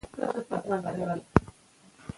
که ماشوم ته نیک اخلاق وښودل سي، هغه به ښه سي.